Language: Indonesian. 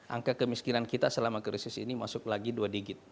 angka kemiskinan kita selama krisis ini masuk lagi dua digit